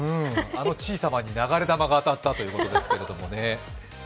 あのチー様に流れ弾が当たったということですけれどもね。